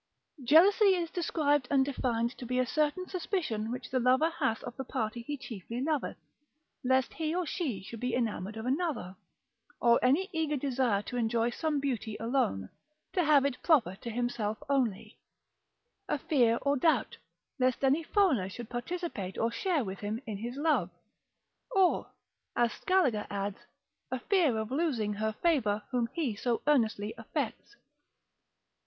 Jealousy is described and defined to be a certain suspicion which the lover hath of the party he chiefly loveth, lest he or she should be enamoured of another: or any eager desire to enjoy some beauty alone, to have it proper to himself only: a fear or doubt, lest any foreigner should participate or share with him in his love. Or (as Scaliger adds) a fear of losing her favour whom he so earnestly affects.